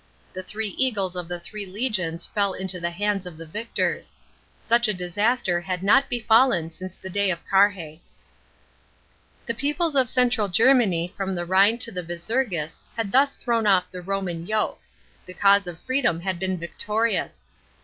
The three eagles of the three legions fell into the hands of the victors. Such a disaster had not befallen since the day of Carrhae. The peoples of central Germany from the Rhine to the Visurgis had thus thrown off the Roman yoke ; the cause of freedom had been victorious.